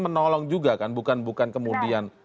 menolong juga kan bukan bukan kemudian